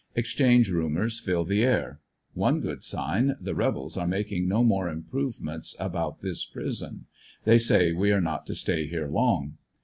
Ex change rumors fill the air. One good sign — the rebels are making no more improvements about this prison; they say we are not to stay here long.